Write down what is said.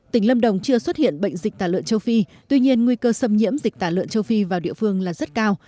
tỉnh lâm đồng chưa xuất hiện bệnh dịch tả lợn châu phi tuy nhiên nguy cơ xâm nhiễm dịch tả lợn châu phi vào địa phương là rất cao